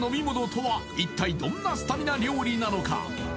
一体どんなスタミナ料理なのか？